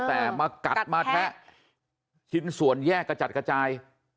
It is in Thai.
แต่มากัดมาแทะชิ้นส่วนแยกกระจัดกระจาย